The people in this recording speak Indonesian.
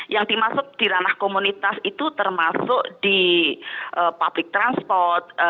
yang dimasuk di ranah komunitas itu termasuk di public transport